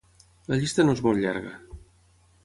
La llista no és molt llarga.